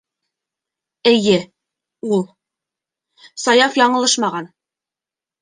Эйе, ул. Саяф яңылышмаған.